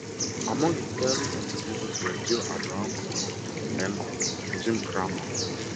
Among its early contributors were Jill Abramson and Jim Cramer.